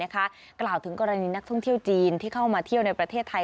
กล่าวถึงกรณีนักท่องเที่ยวจีนที่เข้ามาเที่ยวในประเทศไทย